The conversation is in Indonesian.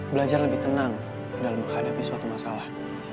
belajar lebih tenang dalam menghadapi suatu masalah